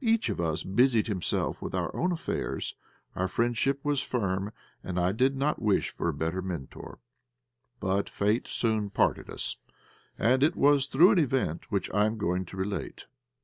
Each of us busied himself with our own affairs; our friendship was firm, and I did not wish for a better mentor. But Fate soon parted us, and it was through an event which I am going to relate.